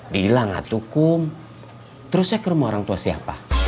bilang lah tuh kum terus saya ke rumah orang tua siapa